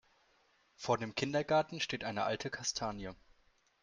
Vor dem Kindergarten steht eine alte Kastanie.